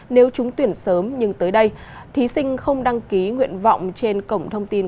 nếu trúng tuyển sớm nhưng tới đây thí sinh không đăng ký nguyện vọng trên cổng thông tin